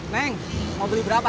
neng mau beli berapa